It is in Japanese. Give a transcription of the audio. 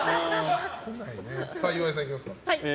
岩井さん、いきますか。